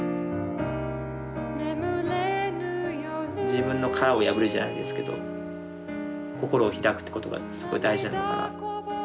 自分の殻を破るじゃないですけど心を開くってことがすごい大事なのかな。